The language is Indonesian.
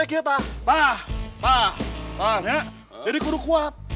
jadi kuda kuat